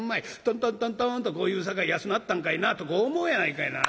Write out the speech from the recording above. とんとんとんとんとこう言うさかい安なったんかいなと思うやないかいな。